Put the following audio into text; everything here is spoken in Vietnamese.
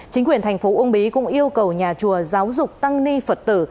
chính quyền tp ung bí cũng yêu cầu nhà chùa giáo dục tăng ni phật tử